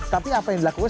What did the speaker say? tapi apa yang dilakukan